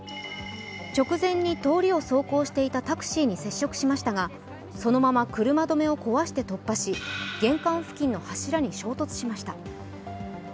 直前に通りを走行していたタクシーに接触しましたがそのまま車止めを壊して突破し玄関付近の柱に衝突しました。